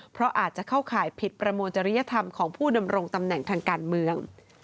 เพราะอาจจะเข้าข่ายผิดประมวลจริยธรรมของผู้ดำรงตำแหน่งทางการเมือง